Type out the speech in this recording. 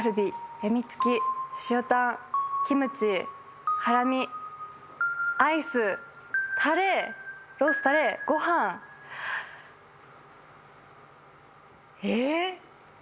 やみつき塩タンキムチハラミアイスタレロースタレごはんえっ？